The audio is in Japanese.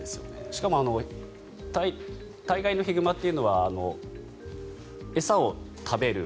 しかも大概の熊というのは餌を食べる。